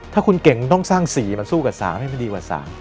ถ้าคุณเก่งต้องสร้าง๔มาสู้กับ๓ให้มันดีกว่า๓